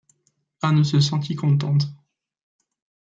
Anne se sentit contente.